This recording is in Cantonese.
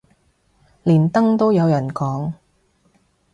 連登都有人講